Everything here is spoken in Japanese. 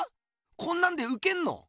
こんなんでウケんの？